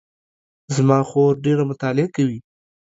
زما خور ډېره مطالعه کوي